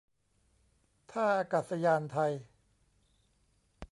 ท่าอากาศยานไทย